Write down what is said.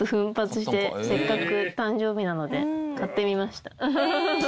せっかく誕生日なので買ってみました。